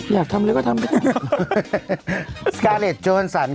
อยากทำไว้ก็ทำไว้สการ์เล็ตโจรสันค่ะ